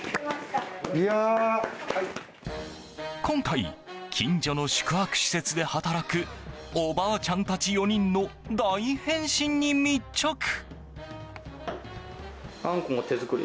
今回、近所の宿泊施設で働くおばあちゃんたち４人の大変身に密着。